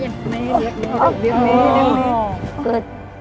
นี่นี่นี่นี่